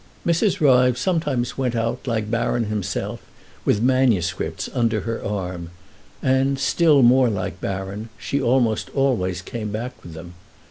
Mrs. Ryves sometimes went out, like Baron himself, with manuscripts under her arm, and, still more like Baron, she almost always came back with them.